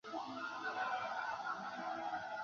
苏氏私塾的历史年代为清代。